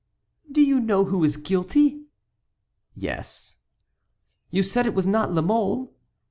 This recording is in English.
"Do you know who is guilty?" "Yes." "You said it was not La Mole?"